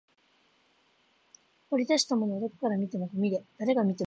掘り出したものはどこから見てもゴミで、誰が見てもゴミだった